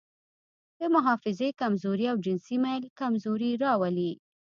د حافظې کمزوري او جنسي میل کمزوري راولي.